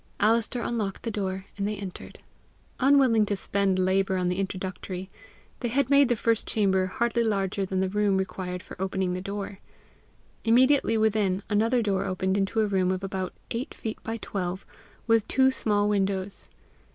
Alister unlocked the door and they entered. Unwilling to spend labour on the introductory, they had made the first chamber hardly larger than the room required for opening the door. Immediately within, another door opened into a room of about eight feet by twelve, with two small windows.